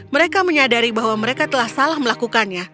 mereka menyadari bahwa mereka telah salah melakukannya